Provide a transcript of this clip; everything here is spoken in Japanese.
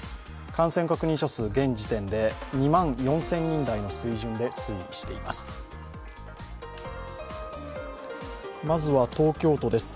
感染確認者数、現時点で２万４０００人台で推移しています。